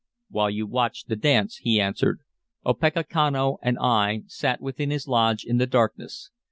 "While you watched the dance," he answered, "Opechancanough and I sat within his lodge in the darkness.